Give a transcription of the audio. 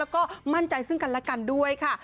แล้วก็มั่นใจซึ่งกันและกันด้วยค่ะ